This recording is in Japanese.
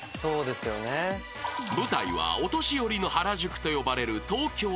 ［舞台はお年寄りの原宿と呼ばれる東京巣鴨］